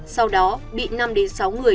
sau đó bị năm sáu người